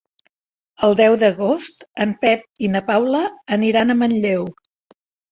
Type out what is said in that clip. El deu d'agost en Pep i na Paula aniran a Manlleu.